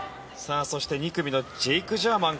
そして２組のジェイク・ジャーマン